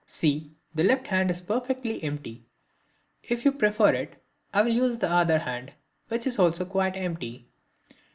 See, the left hand is perfectly empty. If you prefer it I will use the other hand, which is also quite empty."